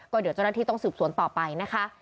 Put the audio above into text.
เดี๋ยวเจ้าหน้าที่ต้องสืบสวนต่อไปนะคะ